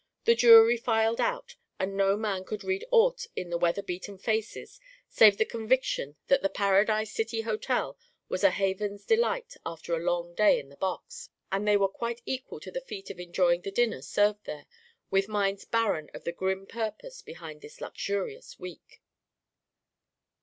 The jury filed out, and no man could read aught in their weather beaten faces save the conviction that the Paradise City Hotel was a haven of delights after a long day in the box, and they were quite equal to the feat of enjoying the dinner served there, with minds barren of the grim purpose behind this luxurious week.